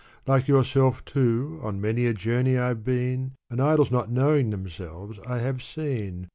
Like yourself, too, on many a journey I've been, And idols not knowing themselves I have seen.